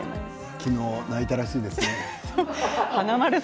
昨日、泣いたらしいですね。